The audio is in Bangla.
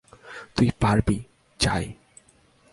তুই পারবি, চাই।